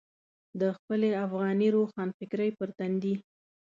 د خپلې افغاني روښانفکرۍ پر تندي.